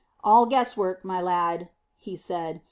"All guess work, my lad," he said.